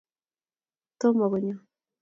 tomo konyo